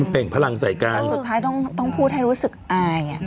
อ๋อเป็นพลังใส่การสุดท้ายต้องต้องผู้ไทยรู้สึกอายอ่ะ